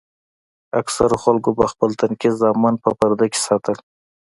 اکثرو خلکو به خپل تنکي زامن په پرده کښې ساتل.